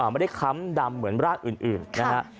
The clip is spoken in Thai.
ไม่ได้ค้ำดำเหมือนร่างอื่นนะครับ